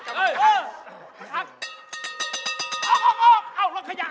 เกิลี่ยง